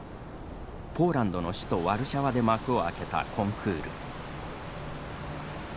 ポーランドの首都ワルシャワで幕を開けたコンクール。